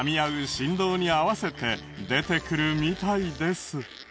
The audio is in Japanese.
振動に合わせて出てくるみたいです。